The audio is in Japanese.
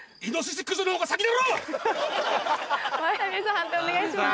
判定お願いします。